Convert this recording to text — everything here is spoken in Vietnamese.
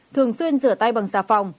thường xuyên rửa tay bằng xà phòng